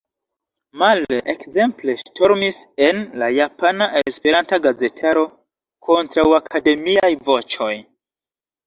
Male – ekzemple ŝtormis en la japana esperanta gazetaro kontraŭakademiaj voĉoj.